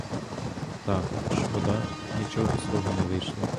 Та, шкода, нічого з того не вийшло.